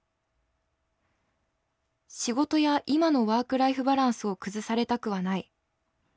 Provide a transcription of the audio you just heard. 仕事や今のワークライフバランスを崩されたくはない。